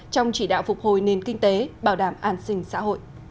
trong chỉ đạo phục hồi nền kinh tế bảo đảm an sinh xã hội